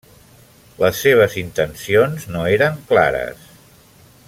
Les seves intencions no eren clares.